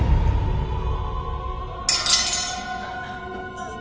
うっ。